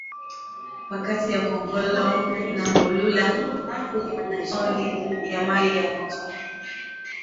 Pakati ya kongolo na mbulula kuko mutoni ya mayi ya moto